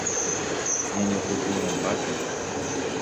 Ñañopytyvõmbákena.